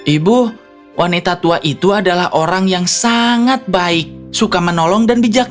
ibu wanita tua itu adalah orang yang sangat baik suka menolong dan bijak